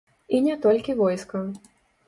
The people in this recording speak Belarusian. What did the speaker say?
І не толькі войска.